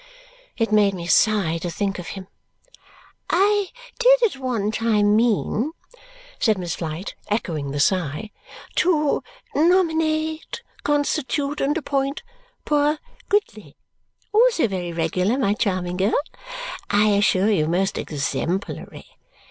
It made me sigh to think of him. "I did at one time mean," said Miss Flite, echoing the sigh, "to nominate, constitute, and appoint poor Gridley. Also very regular, my charming girl. I assure you, most exemplary!